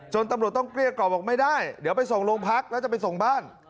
ตำรวจต้องเกลี้ยกรอบบอกไม่ได้เดี๋ยวไปส่งโรงพักแล้วจะไปส่งบ้าน